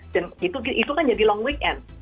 dan itu kan jadi long weekend